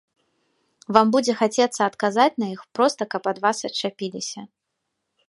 Вам будзе хацецца адказаць на іх, проста каб ад вас адчапіліся.